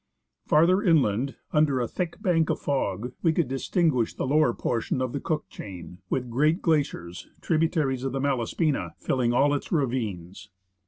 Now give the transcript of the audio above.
Farther inland, under a thick bank of fog, we could distinguish the lower portion of the Cook chain, with great glaciers, tributaries of the Malaspina, filling all its ravines.